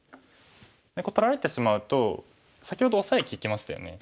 これ取られてしまうと先ほどオサエ利きましたよね。